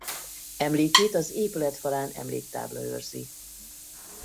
Emlékét az épület falán emléktábla őrzi.